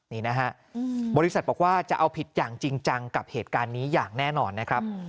นี่นะฮะบริษัทบอกว่าจะเอาผิดอย่างจริงจังกับเหตุการณ์นี้อย่างแน่นอนนะครับ